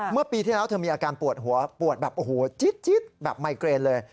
เมื่อปีที่แล้วเธอมีอาการปวดหัวปวดแบบโอ้โหจิ๊ดแบบไมเกรนเลย